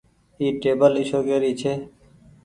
اي ٽيبل اشوڪي ري ڇي۔